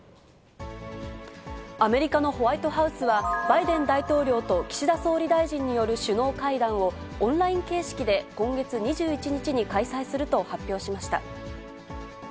アメリカのホワイトハウスは、バイデン大統領と岸田総理大臣による首脳会談を、オンライン形式で今月２１日に開催すると発表しました。